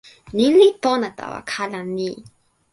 ni li pona tawa kala mi.